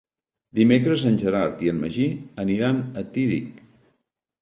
Dimecres en Gerard i en Magí aniran a Tírig.